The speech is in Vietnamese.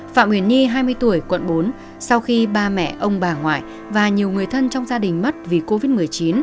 phạm huyền nhi hai mươi tuổi quận bốn sau khi ba mẹ ông bà ngoại và nhiều người thân trong gia đình mất vì covid một mươi chín